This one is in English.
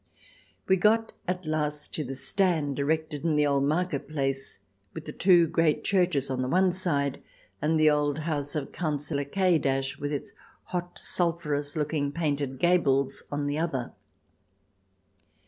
We got at last to the stand, erected in the old market place, with the two great churches on the one side and the old house of Councillor K , cH.xx] TRIER 289 with its hot, sulphurous looking painted gables, on the other.